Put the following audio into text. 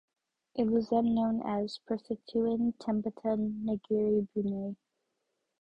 It was then known as "Persatuan Tempatan Negeri Brunei".